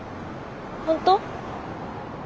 本当？